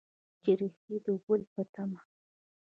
چې ریښې د ګل په تمه